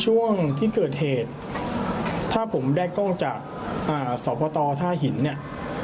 ช่วงที่เกิดเหตุถ้าผมได้กล้องจากสพตท่าหินเนี่ย